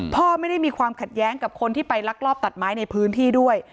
พ่อไม่ได้มีความขัดแย้งกับคนที่ไปลักลอบตัดไม้ในพื้นที่ด้วย